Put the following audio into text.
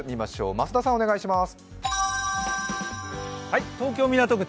増田さん、お願いします。